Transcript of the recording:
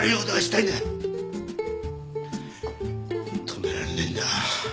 止められねえんだ。